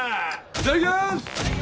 いただきます